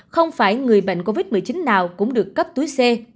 không phải người bệnh covid một mươi chín nào cũng được cấp túi xe